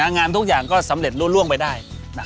งานทุกอย่างก็สำเร็จรู้ล่วงไปได้